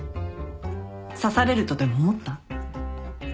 刺されるとでも思った？